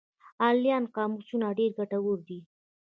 آنلاین قاموسونه ډېر ګټور دي.